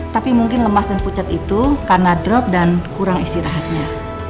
tapi mungkin lemas dan pucat itu karena drop dan kurang istirahatnya